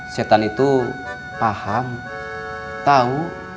setan itu paham tahu